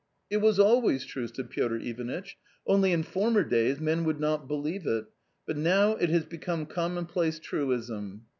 " It was always true," said Piotr Ivanitch, " only in former days men would not believe it, but now it has become commonplace truism."